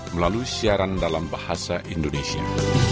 melalui siaran dalam bahasa indonesia